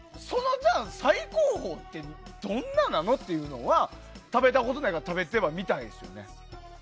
じゃあ、その最高峰ってどんななの？っていうのが食べたことないから食べてはみたいですよね。